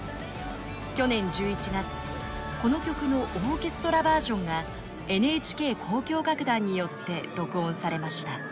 去年１１月この曲のオーケストラバージョンがＮＨＫ交響楽団によって録音されました。